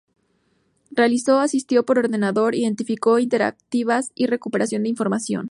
Realizó, asistido por ordenador, identificaciones interactivas y recuperación de información.